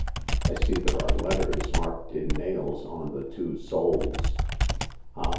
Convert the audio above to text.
" I see there are letters marked in nails on the two soles." Ah